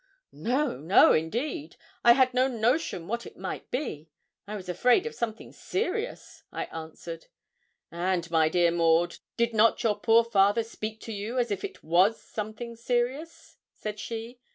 'No, no, indeed. I had no notion what it might be. I was afraid of something serious,' I answered. 'And, my dear Maud, did not your poor father speak to you as if it was something serious?' said she.